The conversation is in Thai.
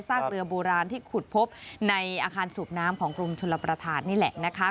เรือโบราณที่ขุดพบในอาคารสูบน้ำของกรมชลประธานนี่แหละนะคะ